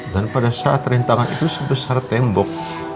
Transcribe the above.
pada saat rintangan itu sebesar tembok